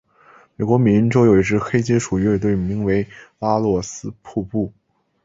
美国缅因洲有一支黑金属乐队名为拉洛斯瀑布。